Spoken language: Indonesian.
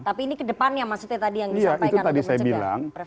tapi ini kedepannya maksudnya tadi yang disampaikan untuk mencegah